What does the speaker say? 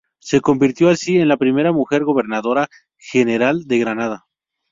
Se convirtió así en la primera mujer Gobernadora General de Granada.